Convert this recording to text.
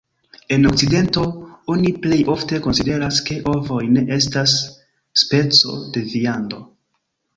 En okcidento oni plej ofte konsideras ke ovoj ne estas speco de viando.